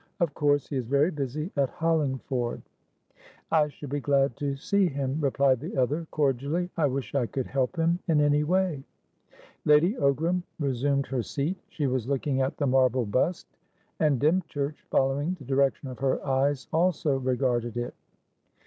Of course he is very busy at Hollingford." "I shall be glad to see him," replied the other, cordially. "I wish I could help him in any way." Lady Ogram resumed her seat. She was looking at the marble bust, and Dymchurch, following the direction of her eyes, also regarded it.